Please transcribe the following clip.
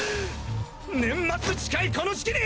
年末近いこの時期に！